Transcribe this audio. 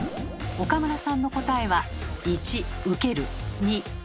岡村さんの答えは？